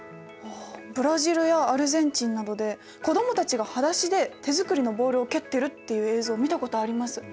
ブラジルやアルゼンチンなどで子供たちがはだしで手作りのボールを蹴ってるっていう映像を見たことあります。